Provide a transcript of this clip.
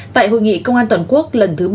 tại hội nghị công an toàn quốc lần thứ bảy mươi sáu